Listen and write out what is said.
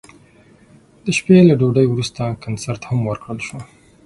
د شپې له ډوډۍ وروسته کنسرت هم ورکړل شو.